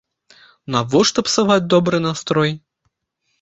Навошта псаваць добры настрой?